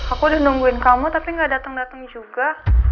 aku udah nungguin kamu tapi gak dateng dateng juga